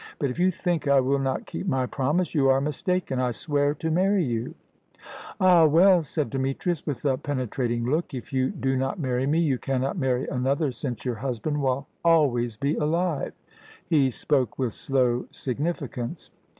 "But if you think I will not keep my promise you are mistaken. I swear to marry you." "Ah, well," said Demetrius, with a penetrating look. "If you do not marry me, you cannot marry another, since your husband will always be alive." He spoke with slow significance.